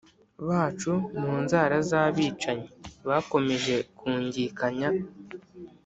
bacu mu nzara z'abicanyi. bakomeje kungikanya